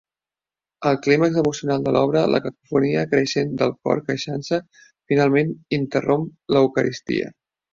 Al clímax emocional de l'obra, la cacofonia creixent del cor queixant-se finalment interromp l'Eucaristia.